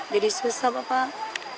jadi susah bapak